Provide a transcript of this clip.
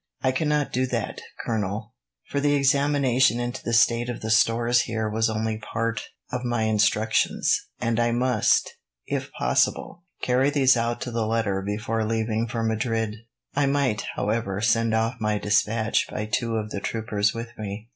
"I cannot do that, Colonel, for the examination into the state of the stores here was only a part of my instructions, and I must, if possible, carry these out to the letter before leaving for Madrid. I might, however, send off my despatch by two of the troopers with me."